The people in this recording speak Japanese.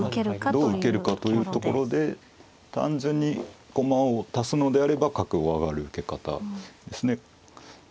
どう受けるかというところで単純に駒を足すのであれば角を上がる受け方ですね。